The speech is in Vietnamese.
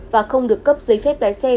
và không được cấp giấy phép lái xe